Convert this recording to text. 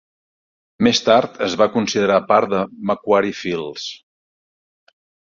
Més tard es va considerar part de Macquarie Fields.